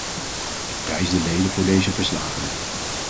Ik prijs de leden voor deze verslagen.